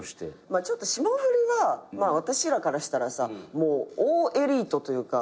ちょっと霜降りは私らからしたらさもう大エリートというか。